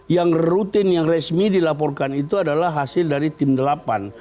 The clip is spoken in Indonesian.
yang rutin yang resmi dilaporkan itu adalah hasil dari tim delapan